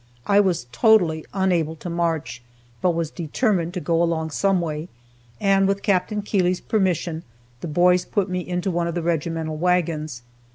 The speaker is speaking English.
I was totally unable to march, but was determined to go along some way, and with Capt. Keeley's permission, the boys put me into one of the regimental wagons.